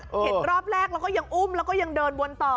เห็นรอบแรกแล้วก็ยังอุ้มแล้วก็ยังเดินวนต่อ